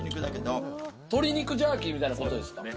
鶏肉ジャーキーみたいなことですかね。